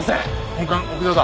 本館屋上だ。